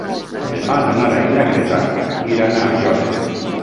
Demà na Nara i na Greta iran a Aiòder.